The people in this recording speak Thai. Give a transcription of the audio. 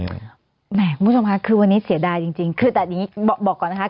คุณผู้ชมค่ะคือวันนี้เสียดายจริงคือแต่อย่างนี้บอกก่อนนะคะ